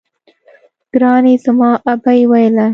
ګراني زما ابۍ ويله